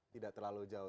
tidak terlalu jauh